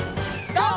ＧＯ！